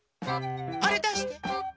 あれだして！